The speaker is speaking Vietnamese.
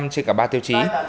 trên cả ba tiêu chí